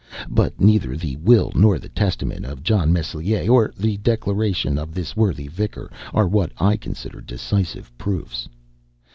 But neither the will nor the testament of John Meslier, nor the declaration of this worthy Vicar, are what I consider decisive proofs.